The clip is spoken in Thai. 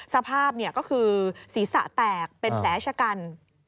สภาพก็คือศีรษะแตกเป็นแผลชะกัน